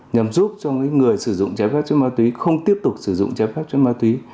nhằm giúp cho người sử dụng trái phép chất ma túy không tiếp tục sử dụng trái phép chất ma túy